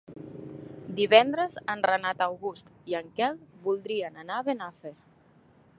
Divendres en Renat August i en Quel voldrien anar a Benafer.